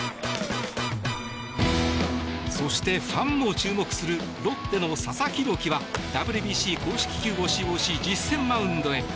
そして、ファンも注目するロッテの佐々木朗希はＷＢＣ公式球を使用し実戦マウンドへ。